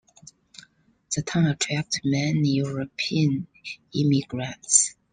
The town attracted many European immigrants.